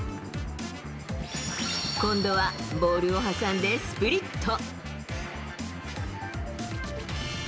今度はボールを挟んでスプリット。